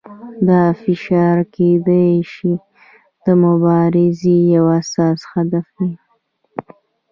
دا فشار کیدای شي د مبارزې یو اساسي هدف وي.